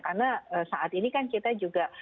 karena saat ini kan kita juga